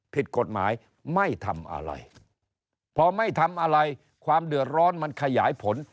ผิดกฎหมายไม่ทำอะไรพอไม่ทำอะไรความเดือดร้อนมันขยายผล